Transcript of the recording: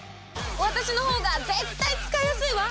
私の方が絶対使いやすいわ！